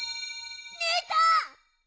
ねえたん！？